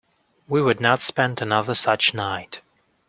We would not spend another such night.